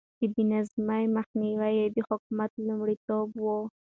د بې نظمي مخنيوی يې د حکومت لومړيتوب و.